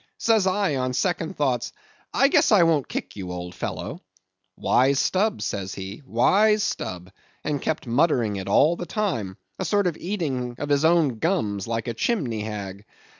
Says I, on second thoughts, 'I guess I won't kick you, old fellow.' 'Wise Stubb,' said he, 'wise Stubb;' and kept muttering it all the time, a sort of eating of his own gums like a chimney hag.